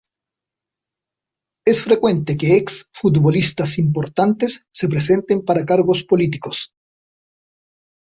Es frecuente que exfutbolistas importantes se presenten para cargos políticos.